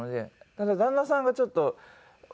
ただ旦那さんがちょっとお店。